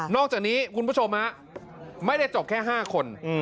อกจากนี้คุณผู้ชมไม่ได้จบแค่๕คน